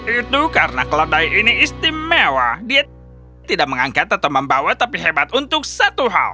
itu karena keledai ini istimewa dia tidak mengangkat atau membawa tapi hebat untuk satu hal